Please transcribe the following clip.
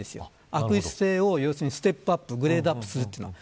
悪質性をステップアップグレートアップするというのは。